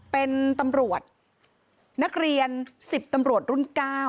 เป็นตำรวจนักเรียน๑๐ตำรวจรุ่น๙